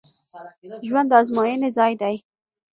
ژوند د ازموینې ځای دی